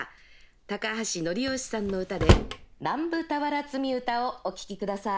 高橋律圭さんの唄で「南部俵積唄」をお聴きください。